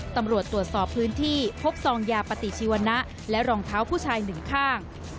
ตำรวจตรวจสอบพื้นที่พบซองยาปฏิชีวนะและรองเท้าผู้ชายหนึ่งข้าง